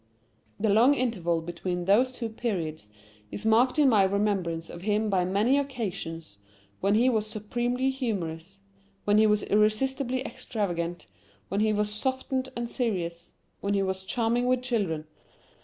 The long interval between those two periods is marked in my remembrance of him by many occasions when he was supremely humorous, when he was irresistibly extravagant, when he was softened and serious, when he was charming with children.